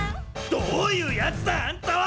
どういうやつだあんたは！